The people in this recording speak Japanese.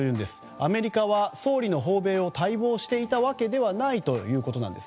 アメリカは総理の訪米を待望していたわけではないということなんです。